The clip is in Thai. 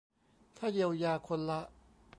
ถ้าเยียวยาคนละ